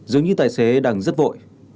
dường như tài xế đang rất vội